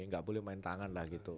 nggak boleh main tangan lah gitu